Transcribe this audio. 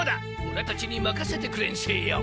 オラたちにまかせてくれんせーよ。